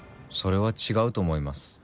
それは違うと思います。